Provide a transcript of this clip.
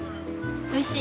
おいしい？